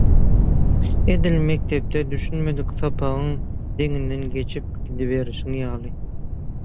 edil mekdepde düşünmedik sapagyň deňinden geçip gidiberişiň ýaly